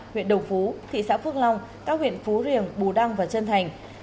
huyện đồng phú thị xã phước long các huyện phú riềng bù đăng và trân thành